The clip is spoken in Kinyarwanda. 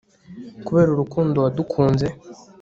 kubera urukundo wadukunze